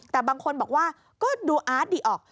แต่บางคนบอกว่าก็ดูอาร์ตดีออก